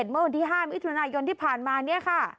เมื่อวันที่๕มิถุนายนที่ผ่านมาเนี่ยค่ะ